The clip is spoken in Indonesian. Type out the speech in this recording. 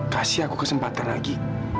kasih aku kesempatan lagi